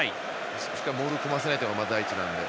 しっかりモールを組ませないのが第一なので。